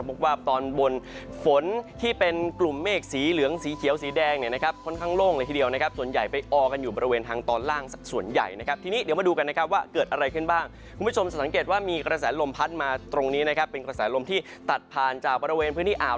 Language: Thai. พบว่าตอนบนฝนที่เป็นกลุ่มเมฆสีเหลืองสีเขียวสีแดงเนี่ยนะครับค่อนข้างโล่งเลยทีเดียวนะครับส่วนใหญ่ไปออกันอยู่บริเวณทางตอนล่างสักส่วนใหญ่นะครับทีนี้เดี๋ยวมาดูกันนะครับว่าเกิดอะไรขึ้นบ้างคุณผู้ชมจะสังเกตว่ามีกระแสลมพัดมาตรงนี้นะครับเป็นกระแสลมที่ตัดผ่านจากบริเวณพื้นที่อ่าว